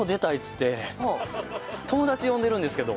友達呼んでるんですけど。